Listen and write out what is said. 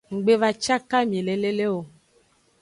Nggbevacakami le lele o.